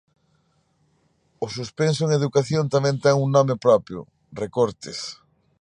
O suspenso en educación tamén ten un nome propio: recortes.